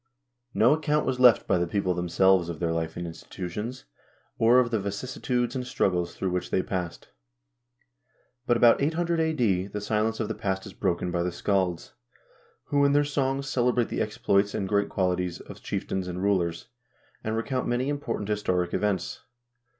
No account was left by the people themselves of their life and institutions, or of the vicissitudes and struggles through which they passed. But about 800 a.d. the silence of the past is broken by the scalds, who in their songs celebrate the exploits and great qualities of chieftains and rulers, and recount many important historic events.